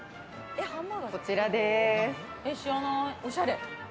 こちらです。